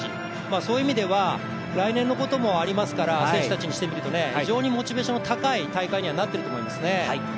そういう意味では来年のこともありますから選手たちにしてみると非常にモチベーション高い大会にはなっていると思いますね。